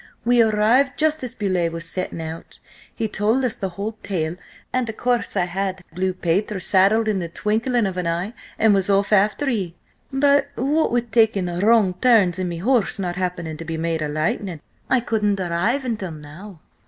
We arrived just as Beauleigh was setting out. He told us the whole tale, and of course I had Blue Peter saddled in the twinkling of an eye and was off after ye. But, what with taking wrong turns and me horse not happening to be made of lightning, I couldn't arrive until now."